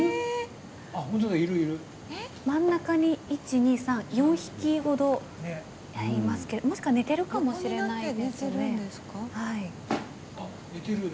真ん中に４匹ほどいますけれどももしくは寝てるかもしれないですね。